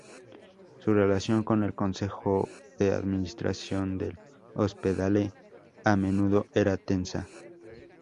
Su relación con el consejo de administración del Ospedale a menudo era tensa.